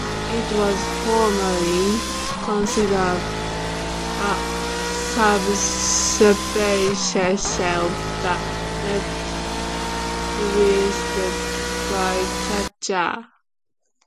It was formerly considered a subspecies of the red-breasted flycatcher.